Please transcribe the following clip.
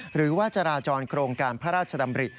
หรือว่าจราจรโครงการพระราชดำริ